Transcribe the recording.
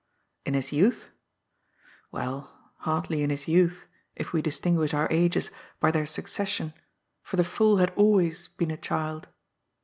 In his youth ? Well, hardly in his youth, if we distin guish our ages by their succession, for the fool had always been a child.